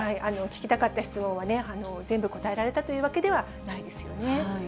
聞きたかった質問は、全部答えられたというわけではないですよね。